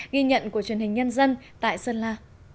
ghi nhận của truyền hình nhân dân tại sơn la